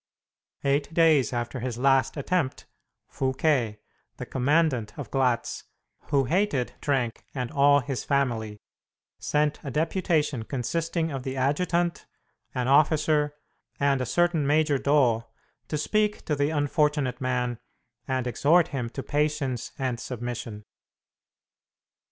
Eight days after his last attempt, Fouquet, the commandant of Glatz, who hated Trenck and all his family, sent a deputation consisting of the adjutant, an officer, and a certain Major Doo to speak to the unfortunate man and exhort him to patience and submission.